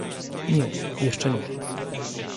Nie, jeszcze nie